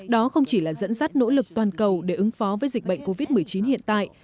đó không chỉ là dẫn dắt nỗ lực toàn cầu để ứng phó với dịch bệnh covid một mươi chín hiện tại